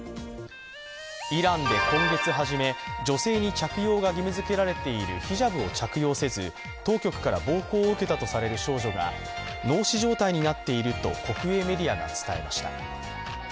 イランで今月はじめ、女性に着用が義務づけられているスカーフ、ヒジャブを着用せず、当局から暴行を受けたとされる少女が脳死状態になっていると国営メディアが伝えました。